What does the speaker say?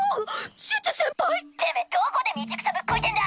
チュチュ先輩⁉てめぇどこで道草ぶっこいてんだ！